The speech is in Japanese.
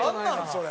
それ。